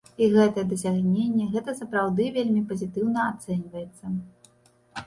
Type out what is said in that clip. І гэта дасягненне, гэта сапраўды вельмі пазітыўна ацэньваецца.